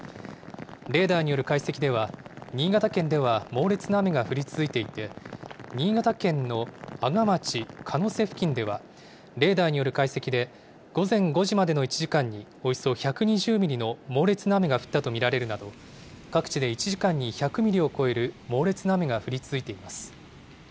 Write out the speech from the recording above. レーダーによる解析では、新潟県では猛烈な雨が降り続いていて、新潟県の阿賀町鹿瀬付近では、レーダーによる解析で、午前５時までの１時間におよそ１２０ミリの猛烈な雨が降ったと見られるなど、各地で１時間に１００ミリを超える猛烈な雨が降り続いています。